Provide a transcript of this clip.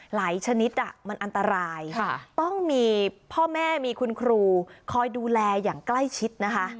ชนิดมันอันตรายต้องมีพ่อแม่มีคุณครูคอยดูแลอย่างใกล้ชิดนะคะ